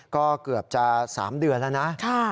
ก็เกือบจะ๓เดือนแล้วนะ